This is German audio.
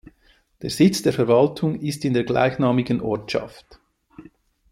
Der Sitz der Verwaltung ist in der gleichnamigen Ortschaft.